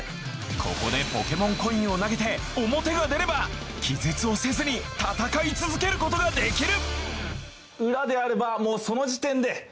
ここでポケモンコインを投げてオモテが出れば気絶をせずに戦い続けることができる！